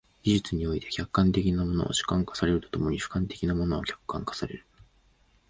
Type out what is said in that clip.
技術において、客観的なものは主観化されると共に主観的なものは客観化される。